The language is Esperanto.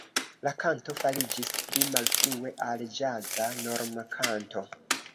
La kanto fariĝis pli malfrue al ĵaza normkanto.